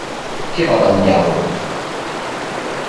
Che vada al diavolo.